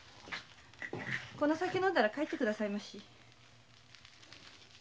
この酒飲んだら帰ってくださいまし。